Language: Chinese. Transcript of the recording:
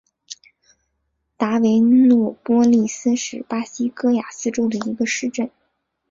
达维诺波利斯是巴西戈亚斯州的一个市镇。